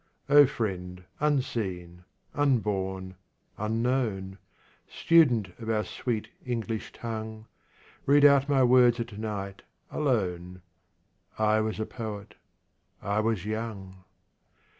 O friend unseen, unborn, unknown, Student of our sweet English tongue, Read out my words at night, alone: I was a poet, I was young.